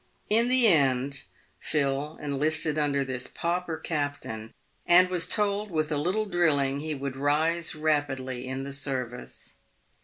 In the end, Phil enlisted under this pauper captain, and was told that with a little drilling he would rise rapidly in the service.